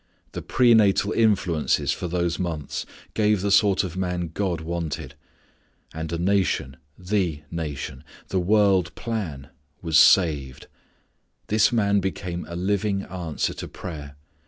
The prenatal influences for those months gave the sort of man God wanted. And a nation, the nation, the world plan, was saved! This man became a living answer to prayer.